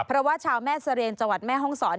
เพราะว่าชาวแม่เสรียงจังหวัดแม่ห้องศร